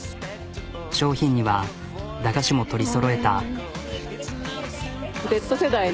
商品には駄菓子も取りそろえた。